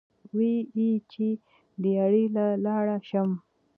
وې ئې چې " دیاړۍ له لاړ شم ـ